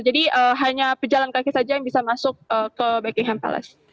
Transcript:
jadi hanya berjalan kaki saja yang bisa masuk ke bkm palace